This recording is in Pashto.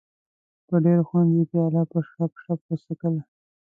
په ډېر خوند یې پیاله په شړپ شړپ وڅښله.